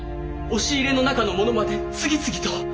押し入れの中のものまで次々と。